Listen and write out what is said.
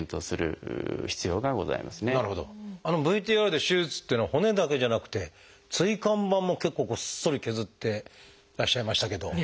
ＶＴＲで手術っていうのは骨だけじゃなくて椎間板も結構ごっそり削ってらっしゃいましたけど。